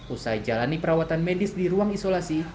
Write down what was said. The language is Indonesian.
usai jalani perawatan medis di ruang isolasi